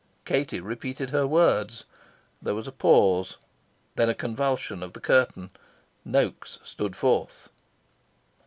Katie repeated her words. There was a pause, then a convulsion of the curtain. Noaks stood forth.